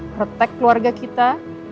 melindungi keluarga kita